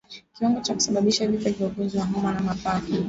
Kiwango cha kusababisha vifo kwa ugonjwa wa homa ya mapafu